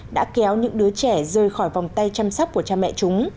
đã kéo những đứa trẻ rơi khỏi vòng tay chăm sóc của cha mẹ chúng